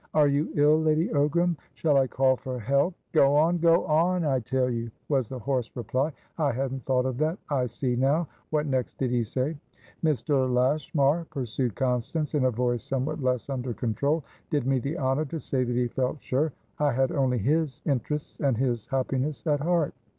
"Are you ill, Lady Ogram? Shall I call for help?" "Go on! Go on, I tell you!" was the hoarse reply. "I hadn't thought of that. I see, now. What next did he say?" "Mr. Lashmar," pursued Constance, in a voice somewhat less under control, "did me the honour to say that he felt sure I had only his interests and his happiness at heart.